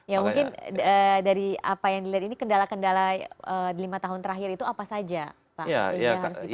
ya mungkin dari apa yang dilihat ini kendala kendala lima tahun terakhir itu apa saja pak